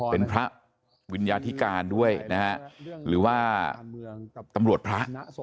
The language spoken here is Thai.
เป็นพระวิญญาธิการด้วยนะฮะหรือว่าตำรวจพระ